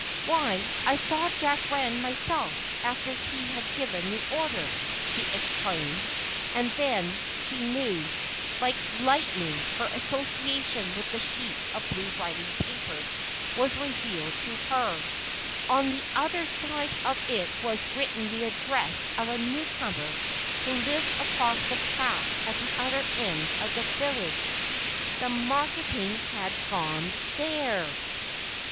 "Why, I saw Jack Rand myself, after he had given the order!" she exclaimed, and then—she knew: like lightning her association with the sheet of blue writing paper was revealed to her; on the other side of it was written the address of a newcomer who lived across the track at the other end of the village. The marketing had gone there!